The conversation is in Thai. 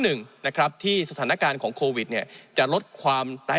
หนึ่งนะครับที่สถานการณ์ของโควิดเนี่ยจะลดความไร้